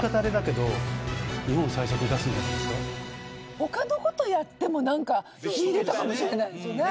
他の事をやってもなんか秀でたかもしれないですよね。